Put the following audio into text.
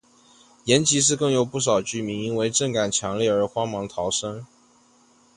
延吉市更有不少居民因震感强烈而慌忙逃生。